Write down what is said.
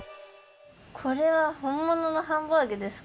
これはほんもののハンバーグですか？